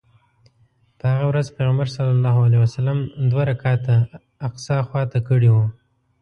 په هغه ورځ پیغمبر صلی الله علیه وسلم دوه رکعته الاقصی خواته کړی و.